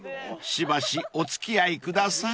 しばしお付き合いください］